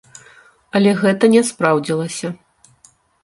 Але гэта не спраўдзілася.